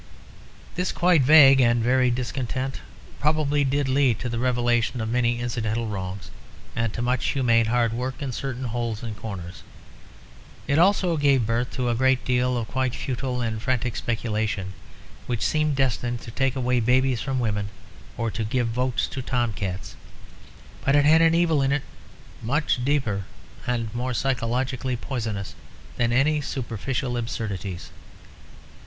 This quite vague and varied discontent probably did lead to the revelation of many incidental wrongs and to much humane hard work in certain holes and corners. It also gave birth to a great deal of quite futile and frantic speculation, which seemed destined to take away babies from women, or to give votes to tom cats. But it had an evil in it much deeper and more psychologically poisonous than any superficial absurdities.